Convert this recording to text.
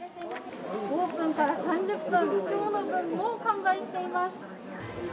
オープンから３０分、今日の分、もう完売しています。